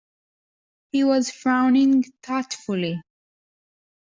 He was frowning thoughtfully.